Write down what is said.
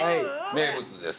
名物です